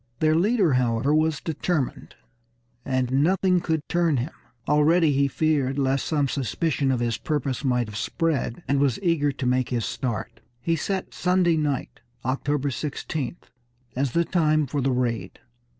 Their leader, however, was determined, and nothing could turn him. Already he feared lest some suspicion of his purpose might have spread, and was eager to make his start. He set Sunday night, October 16th, as the time for the raid.